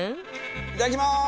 いただきまーす！